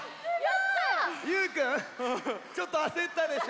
ゆうくんちょっとあせったでしょ？